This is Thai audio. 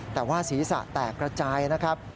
แต่ว่าศีรษะแตกระจายนะครับ